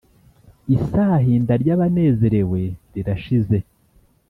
isahinda ry’abanezerewe rirashize,